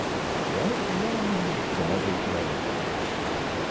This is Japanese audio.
４四じゃなぜいけないのかって気はしますけどね。